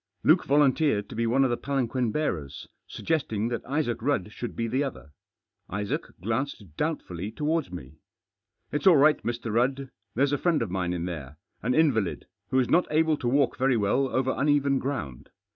Luke volunteered to be one of the palanquin bearers, suggesting that Isaac Rudd should be the other. Isaac glanced doubtfully towards me. 17 Digitized by 268 THE JOSS. " It's all right, Mr. Rudd. There's a friend of mine in there, an invalid, who is not able to walk very well over uneven ground.